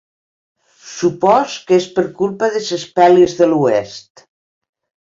Supòs que és per culpa de ses pel·lis de l'Oest.